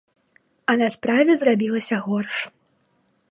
А на справе зрабілася горш.